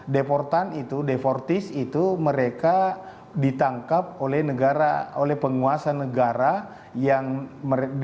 deportan itu deportis itu mereka ditangkap oleh negara oleh penguasa negara yang di mana mereka berada